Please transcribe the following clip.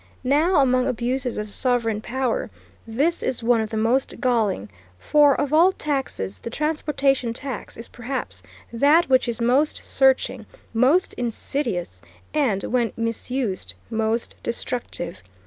Now, among abuses of sovereign power, this is one of the most galling, for of all taxes the transportation tax is perhaps that which is most searching, most insidious, and, when misused, most destructive.